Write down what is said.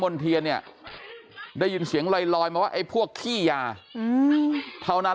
เทียนเนี่ยได้ยินเสียงลอยมาว่าไอ้พวกขี้ยาเท่านั้น